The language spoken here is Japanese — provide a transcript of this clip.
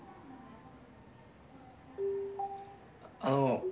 あの。